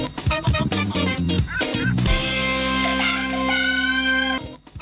ไปหนึ่ง